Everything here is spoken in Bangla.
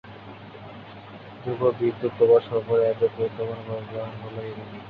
ধ্রুব বিদ্যুৎ প্রবাহ সরবরাহের একটি গুরুত্বপূর্ণ ব্যবহার হলো এলইডি।